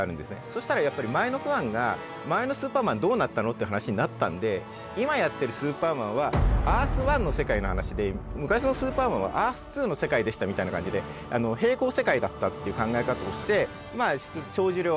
そしたらやっぱり前のファンが前の「スーパーマン」どうなったの？って話になったんで今やってる「スーパーマン」はアース１の世界の話で昔の「スーパーマン」はアース２の世界でしたみたいな感じで並行世界だったっていう考え方をしてまあ帳尻を合わしたんです。